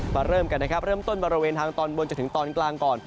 เริ่มกันนะครับเริ่มต้นบริเวณทางตอนบนจนถึงตอนกลางก่อน